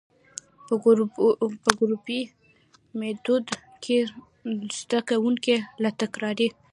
په ګروپي ميتود کي زده کوونکي له تکراري،